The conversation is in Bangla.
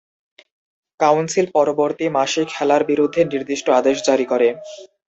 কাউন্সিল পরবর্তী মাসে খেলার বিরুদ্ধে নির্দিষ্ট আদেশ জারি করে।